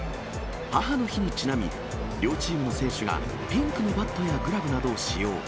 母の日にちなみ、両チームの選手が、ピンクのバットやグラブなどを使用。